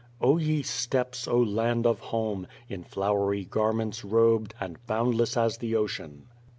Oh ve Steppes ! Oh land of home ! In flowery eamients robed, And boundless as the ocean